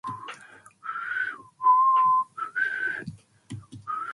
Becoming a builder, he was employed in his native Enfield area of Sydney.